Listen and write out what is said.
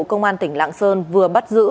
công an tỉnh lạng sơn vừa bắt giữ